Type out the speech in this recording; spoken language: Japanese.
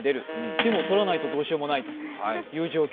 でも、取らないとどうしようもないという状況。